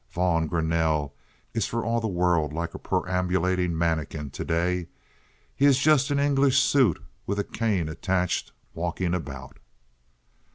Vaughn Greanelle is for all the world like a perambulating manikin to day. He is just an English suit with a cane attached walking about."